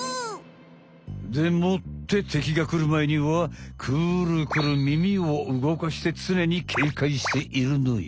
でもって敵がくるまえにはくるくるみみを動かしてつねにけいかいしているのよ。